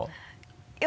いや。